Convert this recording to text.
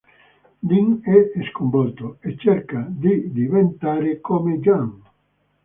Ding è sconvolto e cerca di diventare come Yan.